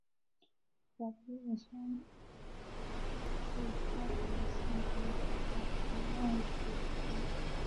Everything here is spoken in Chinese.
表皮衍生物包括腺体和表皮外骨骼。